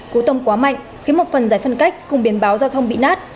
cú tông quá mạnh khiến một phần giải phân cách cùng biển báo giao thông bị nát